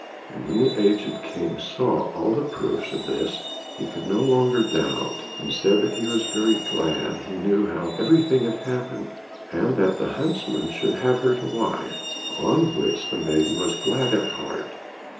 And when the aged King saw all the proofs of this, he could no longer doubt, and said that he was very glad he knew how everything had happened, and that the huntsman should have her to wife, on which the maiden was glad at heart.